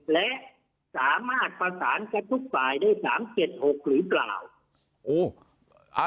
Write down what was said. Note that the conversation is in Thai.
และสามารถประสานกับทุกฝ่ายได้๓๗๖หรือเปล่า